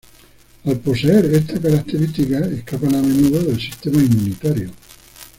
Al poseer esta característica escapan a menudo del sistema inmunitario.